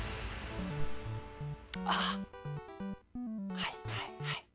はいはいはい。